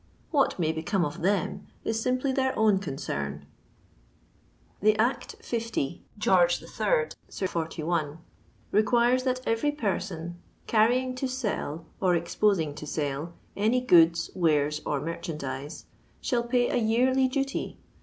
What may become of them is simply their own concern." The Act 50 Geo. III., c. 41, requires that every person " carrying to sell or exposing to sale any goods, wares, or merchandize," shall pay a yearly duty.